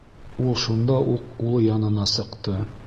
Ул шунда уҡ улы янына сыҡты.